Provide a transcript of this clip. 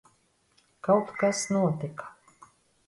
Kaut kas notika.